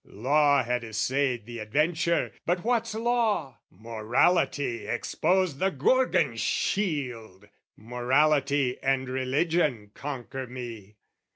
Law had essayed the adventure, but what's Law? Morality exposed the Gorgon shield! Morality and Religion conquer me.